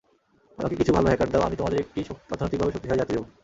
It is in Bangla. আমাকে কিছু ভালো হ্যাকার দাও, আমি তোমাদের একটি অর্থনৈতিকভাবে শক্তিশালী জাতি দেব।